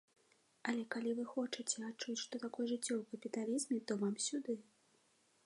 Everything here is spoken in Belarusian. Але калі вы хочаце адчуць, што такое жыць у капіталізме, то вам сюды!